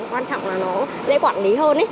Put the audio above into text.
quan trọng là nó dễ quản lý hơn